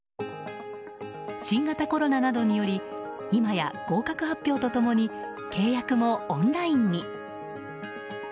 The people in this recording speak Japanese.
新型コロナなどにより今や合格発表と共に契約もオンラインに。